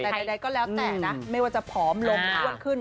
แต่ใดก็แล้วแต่นะไม่ว่าจะผอมลงอ้วนขึ้น